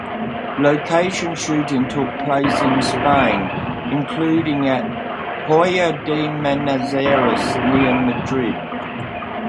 Location shooting took place in Spain including at Hoyo de Manzanares near Madrid.